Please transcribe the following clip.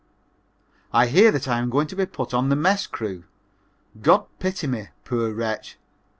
_ I hear that I am going to be put on the mess crew. God pity me, poor wretch!